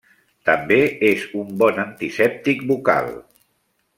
També és un bon antisèptic bucal.